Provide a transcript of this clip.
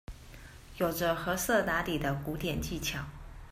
有著褐色打底的古典技巧